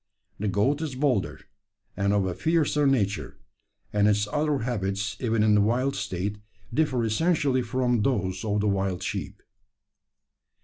The goat is bolder, and of a fiercer nature; and its other habits, even in the wild state, differ essentially from those of the wild sheep.